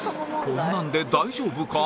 こんなんで大丈夫か？